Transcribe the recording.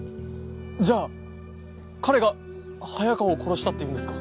じゃあ彼が早川を殺したっていうんですか？